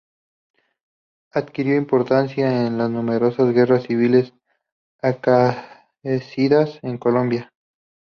Adquirió importancia en las numerosas guerras civiles acaecidas en Colombia.